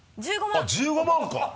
あっ１５万か。